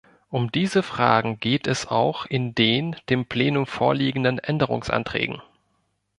Um diese Fragen geht es auch in den dem Plenum vorliegenden Änderungsanträgen.